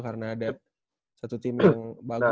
karena ada satu tim yang bagus gitu